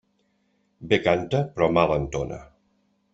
Bé canta, però mal entona.